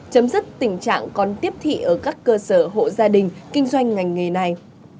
chấm dứt tình trạng còn tiếp thị ở các cơ sở hộ gia đình kinh doanh ngành nghề này